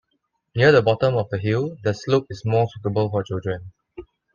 Near the bottom of the hill the slope is more suitable for children.